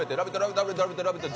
「ラヴィット！」